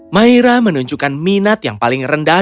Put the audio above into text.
maira menunjukkan minat yang paling rendah